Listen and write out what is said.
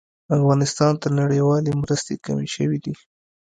افغانستان ته نړيوالې مرستې کمې شوې دي